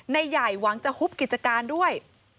ใหญ่หวังจะฮุบกิจการด้วย